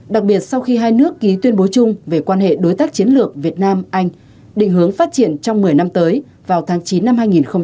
đặc biệt sau khi hai nước ký tuyên bố chung về quan hệ đối tác chiến lược việt nam anh định hướng phát triển trong một mươi năm tới vào tháng chín năm hai nghìn hai mươi